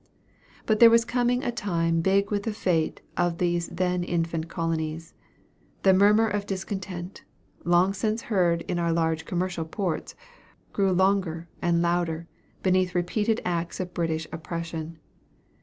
"But there was coming a time big with the fate of these then infant colonies. The murmur of discontent, long since heard in our large commercial ports, grew longer and louder, beneath repeated acts of British oppression.